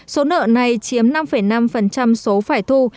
số nợ này chiếm năm năm số phải thu